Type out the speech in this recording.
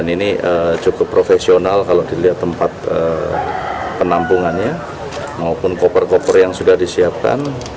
ini cukup profesional kalau dilihat tempat penampungannya maupun koper koper yang sudah disiapkan